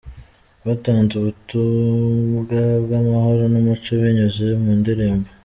Batanze ubutubwa bw'amahoro n'umuco binyuze mu ndirimbo.